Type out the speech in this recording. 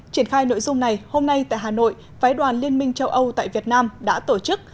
triển khai nội dung này hôm nay tại hà nội phái đoàn liên minh châu âu tại việt nam đã tổ chức